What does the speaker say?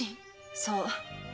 そう。